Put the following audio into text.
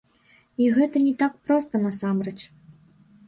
І гэта не так проста насамрэч.